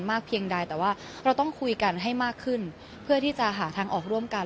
เพียงใดแต่ว่าเราต้องคุยกันให้มากขึ้นเพื่อที่จะหาทางออกร่วมกัน